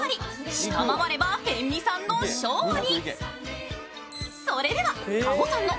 下回れば、辺見さんの勝利。